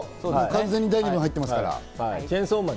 完全に第２部入ってますから。